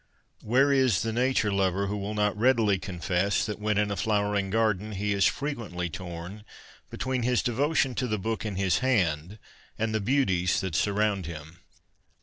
Where is the nature lover who will not readily confess that when in a flowering garden he is BOOKS AND GARDENS 29 frequently torn between his devotion to the book in his hand and the beauties that surround him